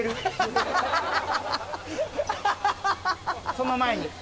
その前に。